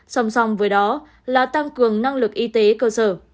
song song với đó là tăng cường năng lực y tế cơ sở